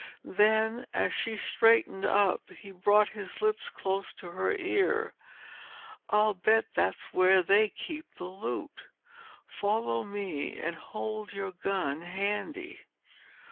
Then as she straightened up he brought his lips close to her ear. "I'll bet that's where they keep the loot! Follow me, and hold your gun handy."